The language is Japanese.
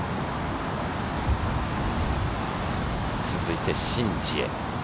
続いてシン・ジエ。